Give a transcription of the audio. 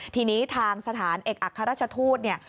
ทีนี้ทางสถานเอกอัครราชทูตเนี่ย